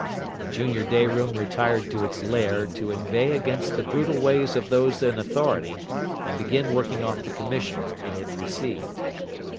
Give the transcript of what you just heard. The junior day room retired to its lair to inveigh against the brutal ways of those in authority, and begin working off the commission it had received.